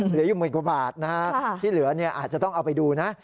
เหลืออยู่หมื่นกว่าบาทนะฮะที่เหลือเนี่ยอาจจะต้องเอาไปดูนะ